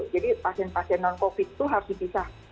jadi pasien pasien non covid itu harus dipisah